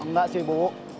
enggak sih bu